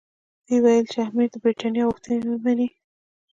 دوی ویل چې که امیر د برټانیې غوښتنې مني.